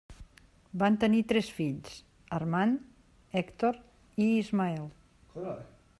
Van tenir tres fills, Armand, Hèctor i Ismael.